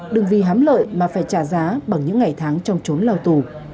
đừng vì hám lợi mà phải trả giá bằng những ngày tháng trong trốn lao tù